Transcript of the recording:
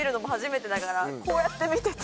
だからこうやって見てて。